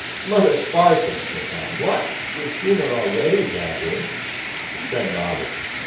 'Mother Sparsit!' said Tom. 'What! you have seen her already, have you?' His friend nodded.